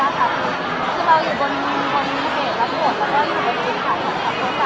ก็เอาเรื่องอะไรทั้งหมดกันก็คุยได้มาก่อน